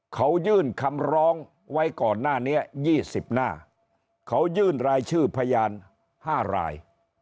เขายื่นคำร้องไว้ก่อนหน้านี้๒๐หน้าเขายื่นรายชื่อพยาน๕ราย